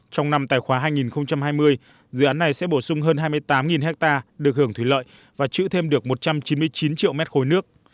trong năm tài khoá hai nghìn hai mươi dự án này sẽ bổ sung hơn hai mươi tám ha được hưởng thủy lợi và chữ thêm được một trăm chín mươi chín triệu mét khối nước